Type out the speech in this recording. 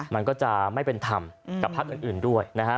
มันก็จะไม่เป็นธรรมกับพักอื่นด้วยนะฮะ